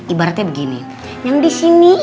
ibaratnya begini yang di sini